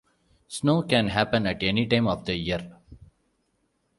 Snow can happen at any time of the year.